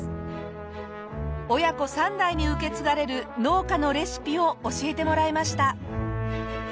親子３代に受け継がれる農家のレシピを教えてもらいました。